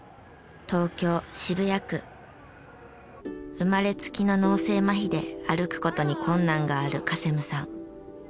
生まれつきの脳性まひで歩く事に困難があるカセムさん。